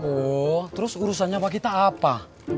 oh terus urusannya bagaimana